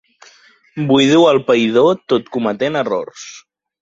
Buido el païdor tot cometent errors.